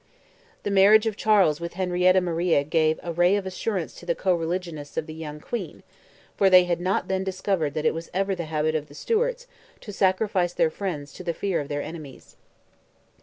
The marriage of Charles with Henrietta Maria gave a ray of assurance to the co religionists of the young Queen, for they had not then discovered that it was ever the habit of the Stuarts "to sacrifice their friends to the fear of their enemies."